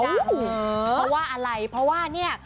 เพราะว่าอะไรเพราะว่าเนี่ย